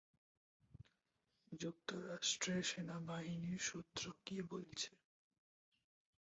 যুক্তরাষ্ট্রের সেনাবাহিনীর সূত্র কি বলছে?